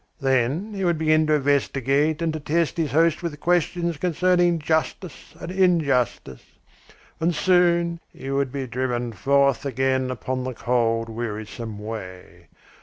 Then he would begin to investigate and to test his host with questions concerning justice and injustice. And soon he would be driven forth again upon the cold wearisome way.